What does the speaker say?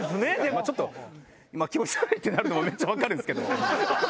まぁちょっと気持ち悪いってなるのもめっちゃ分かるんですけど。